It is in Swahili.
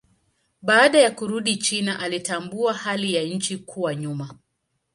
Baada ya kurudi China alitambua hali ya nchi kuwa nyuma.